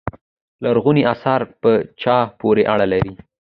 لرغونو اثار په چا پورې اړه لري.